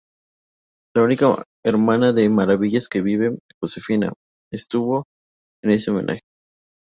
La única hermana de Maravillas que vive, Josefina, estuvo en este homenaje.